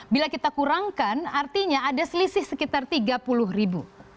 bila kita kurangkan artinya ada selisih sekitar tiga puluh ribu